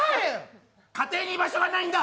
家庭に居場所がないんだ！